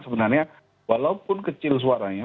sebenarnya walaupun kecil suara